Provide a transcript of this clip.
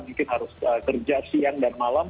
mungkin harus kerja siang dan malam